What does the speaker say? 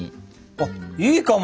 あっいいかも！